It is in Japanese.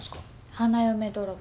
花嫁泥棒。